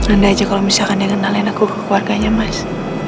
anda aja kalau misalkan yang kenalin aku ke keluarganya mas